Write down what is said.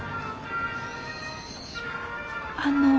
あの？